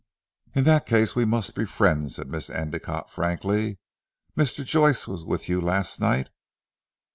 "In that case we must be friends," said Miss Endicotte frankly. "Mr. Joyce was with you last night?"